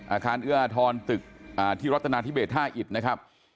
อาคารเอื้ออทรตึกที่รัฐนาธิเบสท่าอิตนะครับ